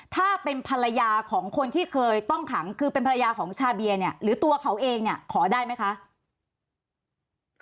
ถ้าเป็นภรรยาของคนที่เคยต้องขังคือเป็นภรรยาของชาเบียเนี่ยหรือตัวเขาเองเนี่ยขอได้ไหมคะ